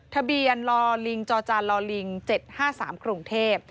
ทะเบียนรลิงจลลิง๗๕๓ปรุงเทพฯ